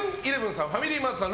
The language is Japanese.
さんファミリーマートさん